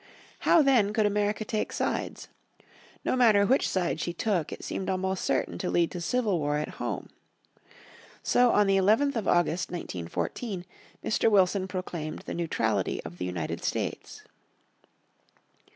How then could America take sides? No matter which side she took it seemed almost certain to lead to civil war at home. So on the 11th of August, 1914, Mr. Wilson proclaimed the neutrality of the United States.